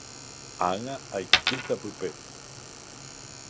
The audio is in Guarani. Ág̃a aikéta pype.